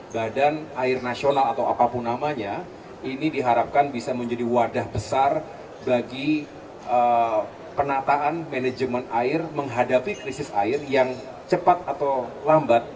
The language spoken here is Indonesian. badan air nasional atau apapun namanya ini diharapkan bisa menjadi wadah besar bagi penataan manajemen air menghadapi krisis air yang cepat atau lambat